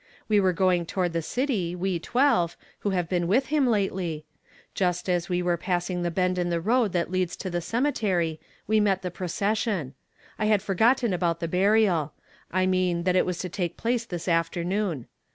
We were going toward the city, we twelve, who have been with him lately. Just as we were passing the bend in the road that leads to the cemetery, we met the procession. I had forgotten about the burial ; I mean, that it was to take place this afternoon.